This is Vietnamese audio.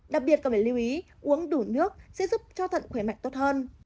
đặc biệt cần phải lưu ý uống đủ nước sẽ giúp cho thận khỏe mạnh tốt hơn